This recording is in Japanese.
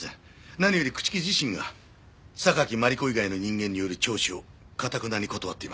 何より朽木自身が榊マリコ以外の人間による聴取をかたくなに断っています。